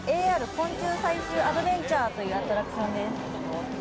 昆虫採集アドベンチャー」というアトラクションです。